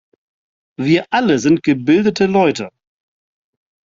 Wir alle sind gebildete Leute.